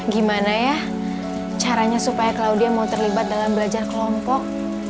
gimana ya caranya supaya kalau dia mau terlibat dalam belajar kelompok